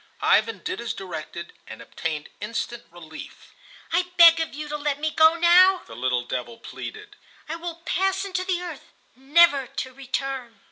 Ivan did as directed, and obtained instant relief. "I beg of you to let me go now," the little devil pleaded; "I will pass into the earth, never to return."